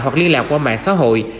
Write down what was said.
hoặc liên lạc qua mạng xã hội